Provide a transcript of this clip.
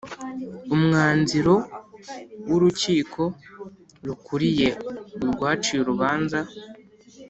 Umwanziro w Urukiko rukuriye urwaciye urubanza